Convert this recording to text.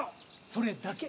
それだけ。